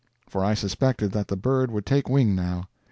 For I suspected that the bird would take wing now.